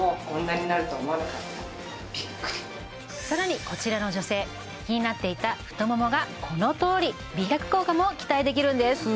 更にこちらの女性気になっていた太ももがこのとおり美脚効果も期待できるんです